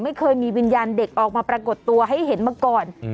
ไม่เคยมีวิญญาณเด็กออกมาปรากฏตัวให้เห็นมาก่อน